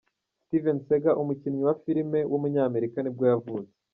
Steven Seagal, umukinnyi wa filime w’umunyamerika nibwo yavutse.